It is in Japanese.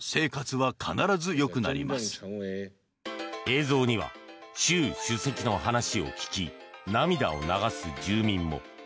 映像には習主席の話を聞き涙を流す住民も。